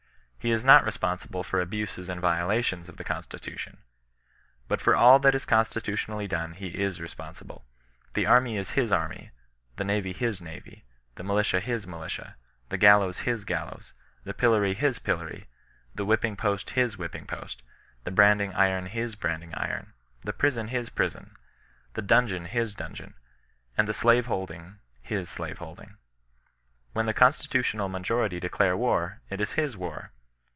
He is not responsible for aJlmses and violations of the constitution. But for all that is constitutionally done he is responsible. The army is his army, the navy hi9 navy, the militia his militia, the gallows his gallows, the pillory his pillory, the whipping post his whipping post, CHRISTIAN NON BESISTANOE. 15 the branding iron his branding iron, the prison Ats prison, the dungeon his dungeon, and the slaveholding his slave holding. When the constitutional majority declare war, it is his war.